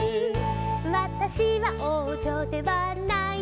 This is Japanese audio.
「わたしはおうじょではないけれど」